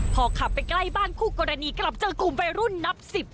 พอขับไปใกล้บ้านคู่กรณีกลับเจอกลุ่มวัยรุ่นนับสิบ